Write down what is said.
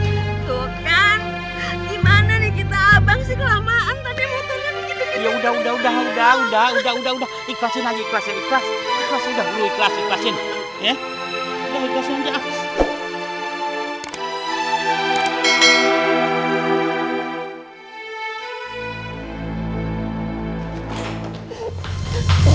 tuh kan gimana nih kita abang sih kelamaan tadi mau tanya begitu begitu